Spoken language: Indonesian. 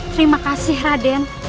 terima kasih raden